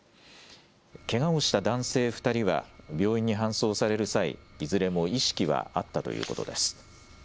けがをした男性２人は病院に搬送される際、いずれも意識はあったということです。